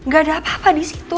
gak ada apa apa disitu